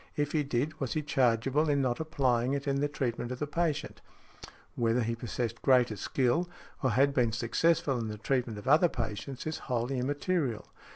If he did, was he chargeable in not applying it in the treatment of the patient? Whether |63| he possessed greater skill, or had been successful in the treatment of other patients, is wholly immaterial.